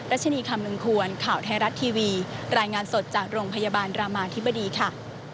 ชนีคำนึงควรข่าวไทยรัฐทีวีรายงานสดจากโรงพยาบาลรามาธิบดีค่ะ